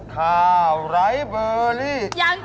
ข้าวไร้เบอร์รี่